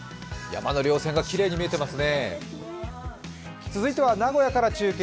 山のりょう線がきれいに見えてますね。